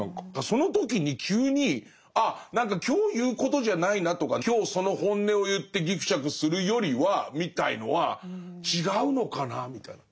その時に急にああ何か今日言うことじゃないなとか今日その本音を言ってぎくしゃくするよりはみたいのは違うのかなみたいな。